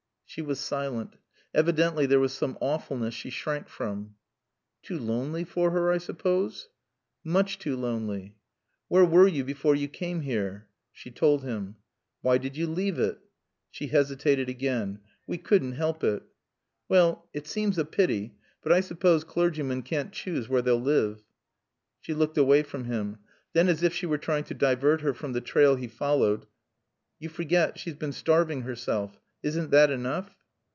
She was silent. Evidently there was some "awfulness" she shrank from. "Too lonely for her, I suppose?" "Much too lonely." "Where were you before you came here?" She told him. "Why did you leave it?" She hesitated again. "We couldn't help it." "Well it seems a pity. But I suppose clergymen can't choose where they'll live." She looked away from him. Then, as if she were trying to divert her from the trail he followed, "You forget she's been starving herself. Isn't that enough?"